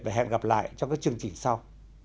và hẹn gặp lại trong các chương trình sau